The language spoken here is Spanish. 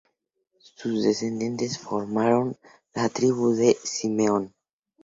Sus descendientes formaron la tribu de Simeón.